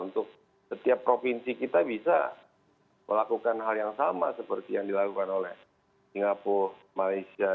untuk setiap provinsi kita bisa melakukan hal yang sama seperti yang dilakukan oleh singapura malaysia